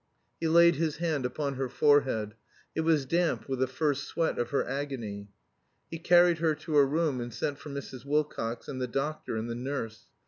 He laid his hand upon her forehead. It was damp with the first sweat of her agony. He carried her to her room and sent for Mrs. Wilcox and the doctor and the nurse.